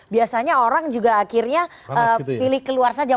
biasanya orang juga akhirnya pilih keluar saja